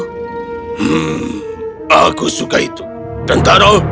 hmm aku suka itu tentang apa